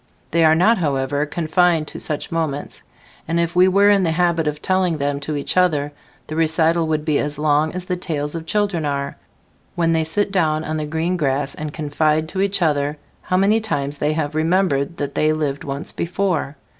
They are not, however, confined to such moments, and if we were in the habit of telling them to each other, the recital would be as long as the tales of children are, when they sit down on the green grass and confide to each other how many times they have remembered that they lived once before.